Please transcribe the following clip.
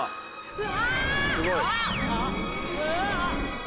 うわ！